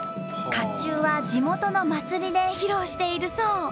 甲冑は地元の祭りで披露しているそう。